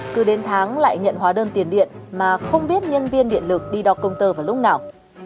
cứ đến tháng lại nhận hóa đơn tiền điện mà không biết nhân viên điện lực đi đo công tơ vào lúc nào